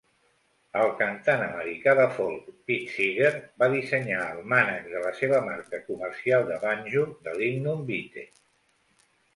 El cantant americà de folk Pete Seeger va dissenyar el mànec de la seva marca comercial de banjo de lignum vitae.